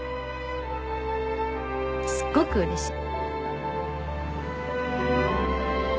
すっごくうれしい。